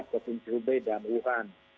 provinsi hubei dan wuhan